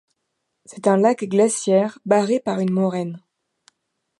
C'est un lac glaciaire, barré par une moraine.